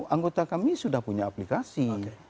anggota kami sudah punya aplikasi